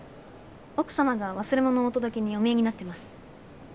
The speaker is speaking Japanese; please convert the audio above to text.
奥様が忘れ物をお届けにお見えになってます。